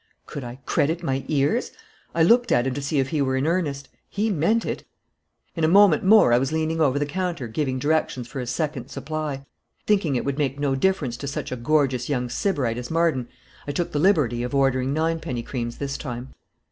Could I credit my ears? I looked at him to see if he were in earnest. He meant it. In a moment more I was leaning over the counter giving directions for a second supply. Thinking it would make no difference to such a gorgeous young sybarite as Marden, I took the liberty of ordering ninepenny creams this time.